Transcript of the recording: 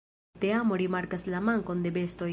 Teamo rimarkas la mankon de bestoj.